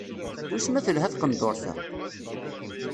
Wis ma telha tqendurt-a?